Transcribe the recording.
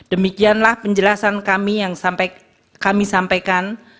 demikianlah penjelasan kami yang kami sampaikan